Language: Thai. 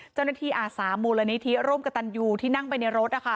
เจ้าหน้าที่อาสามูลณิธิร่มกับตันยูที่นั่งไปในรถนะคะ